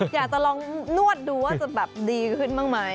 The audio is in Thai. อยากจะลองนวดดูว่าจะแบบดีขึ้นบ้างไหม